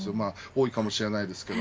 多いかもしれませんが。